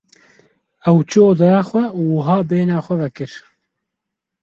Ew çû odeya xwe û wiha bêhna xwe vekir.